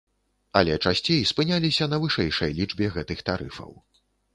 Але часцей спыняліся на вышэйшай лічбе гэтых тарыфаў.